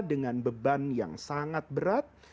dengan beban yang sangat berat